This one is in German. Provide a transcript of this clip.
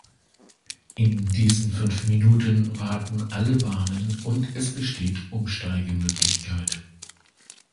In diesen fünf Minuten warten alle Bahnen und es besteht Umsteigemöglichkeit.